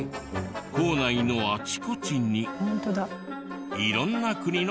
校内のあちこちに色んな国の言葉が。